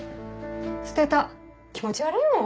捨てた気持ち悪いもん。